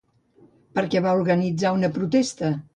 Per què van organitzar una protesta?